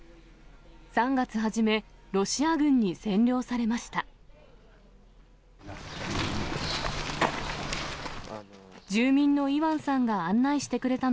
３月初め、ロシア軍に占領されました。